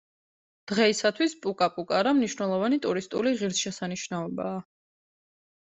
დღეისათვის პუკა-პუკარა მნიშვნელოვანი ტურისტული ღირსშესანიშნაობაა.